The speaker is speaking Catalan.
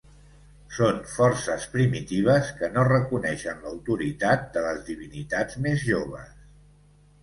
Són forces primitives que no reconeixen l'autoritat de les divinitats més joves.